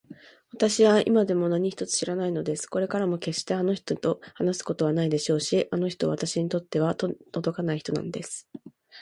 わたしは今でも何一つ知らないのです。これからもけっしてあの人と話すことはないでしょうし、あの人はわたしにとっては手のとどかない人なんです。